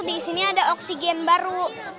di sini ada oksigen baru